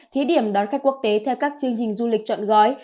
thí điểm đón khách quốc tế theo các chương trình du lịch chọn gói